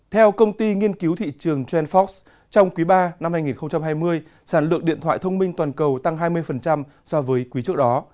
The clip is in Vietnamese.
theo công ty nghiên cứu thị trường trendfox trong quý ba năm hai nghìn hai mươi sản lượng điện thoại thông minh toàn cầu tăng hai mươi so với quý trước đó